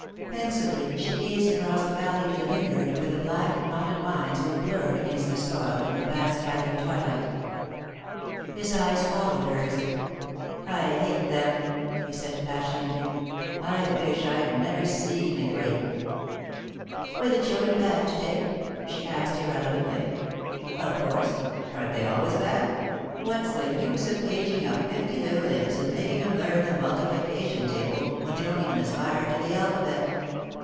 Pensively, she gazed across the valley to the vineyard, where the black, knotted vines were blurred against the soil in the fast gathering twilight. His eyes followed hers. [Sidenote: Rosemary] "I hate them," he said, passionately. "I wish I'd never seen a grape!" "Were the children bad to day?" she asked, irrelevantly. "Of course. Aren't they always bad? What's the use of caging up fifty little imps and making 'em learn the multiplication table when they don't even aspire to the alphabet?